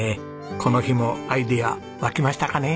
この日もアイデア湧きましたかね？